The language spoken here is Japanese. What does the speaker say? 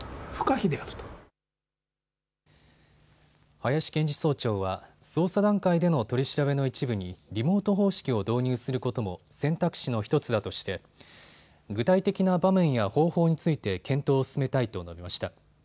林検事総長は捜査段階での取り調べの一部にリモート方式を導入することも選択肢の１つだとして具体的な場面や方法について検討を進めたいと述べました。